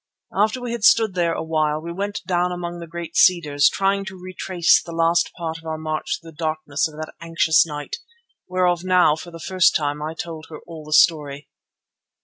After we had stood there a while we went down among the great cedars, trying to retrace the last part of our march through the darkness of that anxious night, whereof now for the first time I told her all the story.